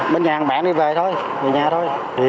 bên nhà anh bạn đi về thôi